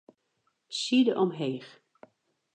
Side omheech.